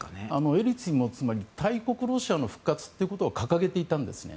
エリツィンも大国ロシアの復活というのを掲げていたんですね。